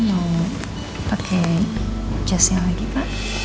mau pakai jasnya lagi pak